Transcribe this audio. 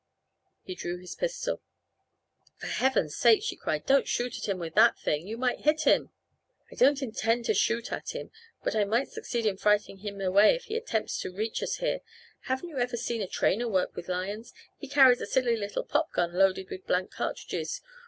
He drew his pistol. "For heaven's sake," she cried, "don't shoot at him with that thing. You might hit him." "I don't intend to shoot at him but I might succeed in frightening him away if he attempts to reach us here. Haven't you ever seen a trainer work with lions? He carries a silly little pop gun loaded with blank cartridges.